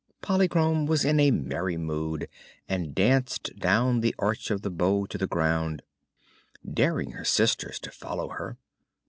Polychrome was in a merry mood and danced down the arch of the bow to the ground, daring her sisters to follow her.